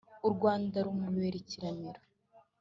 U Rwanda rumubera ikiramiro